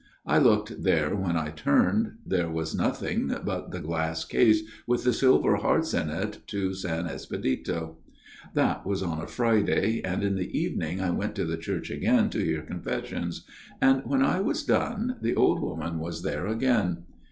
I looked there when I turned, there was nothing but the glass case with the silver hearts in it to S. Espedito. " That was on a Friday, and in the evening I went to the church again to hear confessions, and when I was done, the old woman was there again.